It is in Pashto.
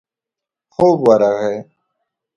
خوب ورغی.